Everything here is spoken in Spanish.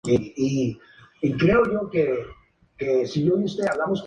Madrid: Alianza.